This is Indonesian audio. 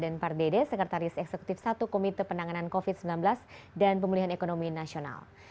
deden pardede sekretaris eksekutif satu komite penanganan covid sembilan belas dan pemulihan ekonomi nasional